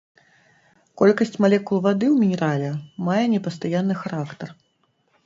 Колькасць малекул вады ў мінерале мае непастаянны характар.